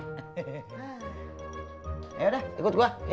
yaudah ikut gua